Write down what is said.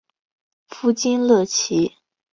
夫金乐琦。